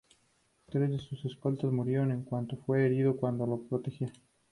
Tres de sus escoltas murieron y un cuarto fue herido cuando lo protegía.